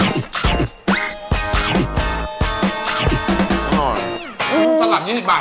เราให้ดูกุ้งเรา